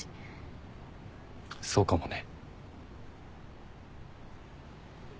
そうかもね。